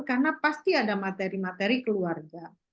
karena pasti ada materi materi keluarga